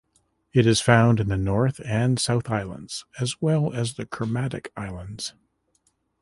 It found in the North and South Islands as well as the Kermadec Islands.